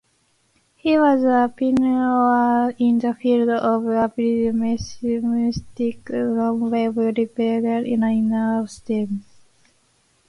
He was a pioneer in the field of applied mathematics: non-wave replicating linear systems.